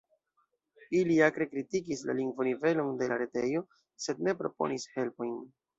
Ili akre kritikis la lingvonivelon de la retejo, sed ne proponis helpojn.